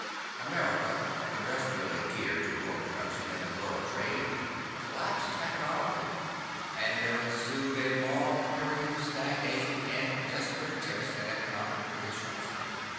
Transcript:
America, industrially geared to world production and the world trade, collapsed economically, and there ensued a long period of stagnation and desperate attempts at economic reconstruction.